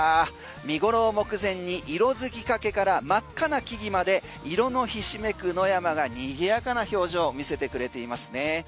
見ごろを目前に色づきかけから真っ赤な木々まで色のひしめく野山が賑やかな表情を見せてくれていますね。